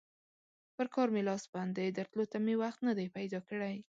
پر کار مې لاس بند دی؛ درتلو ته مې وخت نه دی پیدا کړی.